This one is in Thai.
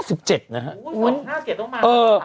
อุ๊ย๒๕๗ต้องมาครับค่ะครับเออ